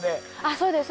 そうです